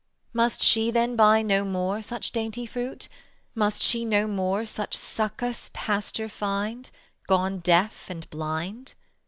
Must she then buy no more such dainty fruit? Must she no more such succous pasture find, Gone deaf and blind?